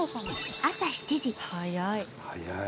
早い。